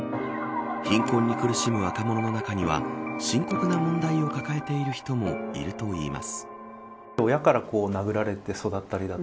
貧困に苦しむ若者の中には深刻な問題を抱えている人もいるといいます。